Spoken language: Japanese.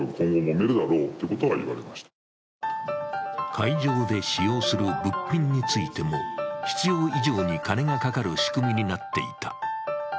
会場で使用する物品についても、必要以上に金がかかる仕組みになっていた。